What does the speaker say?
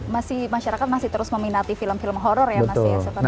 masih masyarakat masih terus meminati film film horror ya mas ya